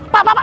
pak pak pak